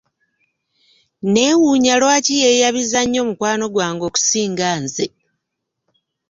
Neewuunya lwaki yeeyabiza nnyo mukwano gwange okusinga nze.